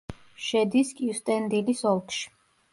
შედის კიუსტენდილის ოლქში.